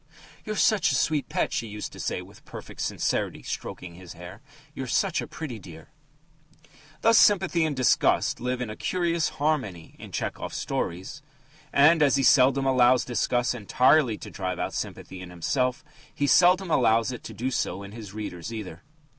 "'You're such a sweet pet!' she used to say with perfect sincerity, stroking his hair. 'You're such a pretty dear!'" Thus sympathy and disgust live in a curious harmony in Tchehov's stories. And, as he seldom allows disgust entirely to drive out sympathy in himself, he seldom allows it to do so in his readers either.